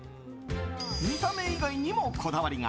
見た目以外にもこだわりが。